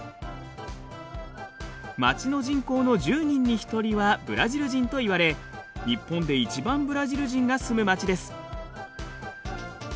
町の人口の１０人に１人はブラジル人といわれ日本で一番ブラジル人が住む町です。